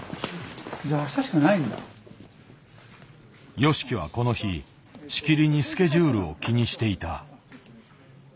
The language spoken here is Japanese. ＹＯＳＨＩＫＩはこの日しきりにスケジュールを気にしていた。